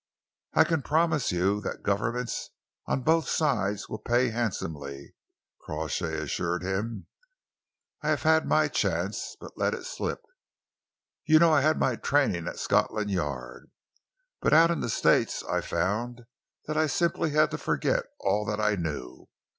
"I can promise you that the governments on both sides will pay handsomely," Crawshay assured him. "I have had my chance but let it slip. You know I had my training at Scotland Yard, but out in the States I found that I simply had to forget all that I knew.